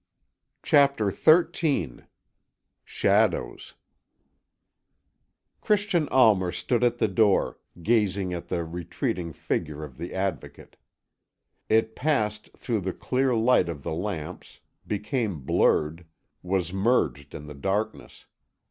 CHAPTER XIII SHADOWS Christian Almer stood at the door, gazing at the retreating figure of the Advocate. It passed through the clear light of the lamps, became blurred, was merged in the darkness.